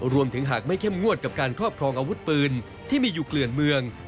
หากไม่เข้มงวดกับการครอบครองอาวุธปืนที่มีอยู่เกลื่อนเมือง